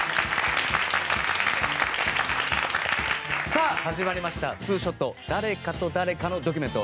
さあ始まりました『２ショットダレカとダレカのドキュメント。』。